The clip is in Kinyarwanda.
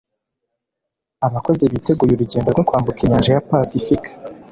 abakozi biteguye urugendo rwo kwambuka inyanja ya pasifika